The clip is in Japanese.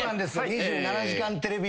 『２７時間テレビ』